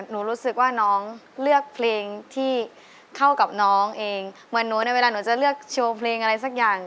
รู้สึกว่าน้องเลือกเพลงที่เข้ากับน้องเองเหมือนหนูในเวลาหนูจะเลือกโชว์เพลงอะไรสักอย่าง